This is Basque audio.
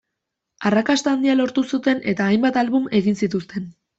Arrakasta handia lortu zuten eta hainbat album egin zituzten.